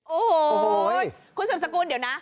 โอ้โหคุณสืบสกุลเดี๋ยวนะ